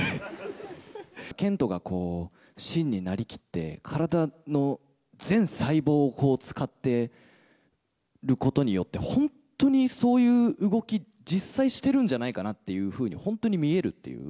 賢人が信になりきって、体の全細胞を使ってることによって、本当にそういう動き、実際してるんじゃないかなっていうふうに本当に見えるっていう。